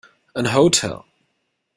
An hotel.